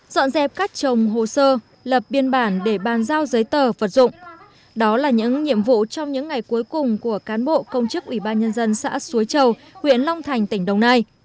dọn dẹp cắt trồng hồ sơ lập biên bản để bàn giao giấy tờ vật dụng đó là những nhiệm vụ trong những ngày cuối cùng của cán bộ công chức ủy ban nhân dân xã suối chầu huyện long thành tỉnh đồng nai